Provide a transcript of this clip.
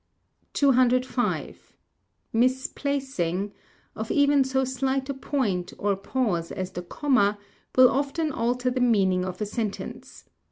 205. The Misplacing of even so slight a point, or pause, as the comma, will often alter the meaning of a sentence.